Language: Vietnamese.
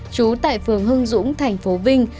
trú tại phường hưng dũng tp vinh